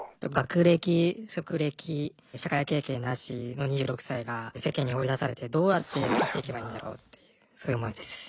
学歴職歴社会経験なしの２６歳が世間に放り出されてどうやって生きていけばいいんだろうっていうそういう思いです。